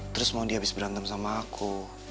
terus mau dia habis berantem sama aku